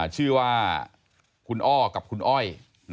ชื่อว่าคุณอ้อกับคุณอ้อย